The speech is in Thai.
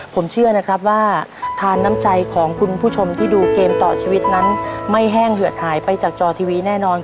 ผมเชื่อนะครับว่าทานน้ำใจของคุณผู้ชมที่ดูเกมต่อชีวิตนั้นไม่แห้งเหือดหายไปจากจอทีวีแน่นอน